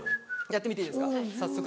やってみていいですか早速。